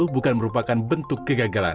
bukan merupakan bentuk kegagalan